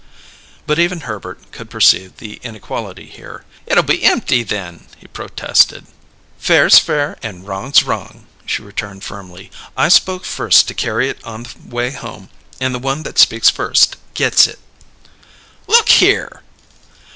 But even Herbert could perceive the inequality here. "It'll be empty then," he protested. "Fair's fair and wrong's wrong," she returned firmly. "I spoke first to carry it on the way home, and the one that speaks first gets it!" "Look here!"